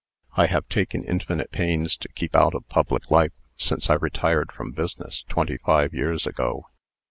"I have taken infinite pains to keep out of public life since I retired from business, twenty five years ago.